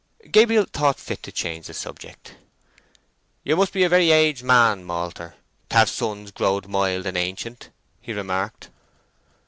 Gabriel thought fit to change the subject. "You must be a very aged man, malter, to have sons growed mild and ancient," he remarked.